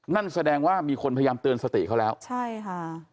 นั่นแสดงว่ามีคนพยายามเตือนสติเขาแล้วใช่ค่ะ